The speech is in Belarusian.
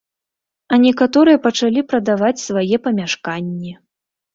А некаторыя пачалі прадаваць свае памяшканні.